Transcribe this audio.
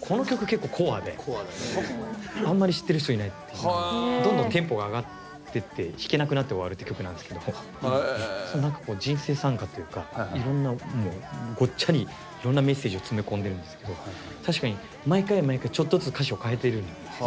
この曲結構コアであんまり知ってる人いないっていうかどんどんテンポが上がってって弾けなくなって終わるって曲なんですけど人生賛歌というかいろんなごっちゃりいろんなメッセージを詰め込んでるんですけど確かにれんくんすごいですよ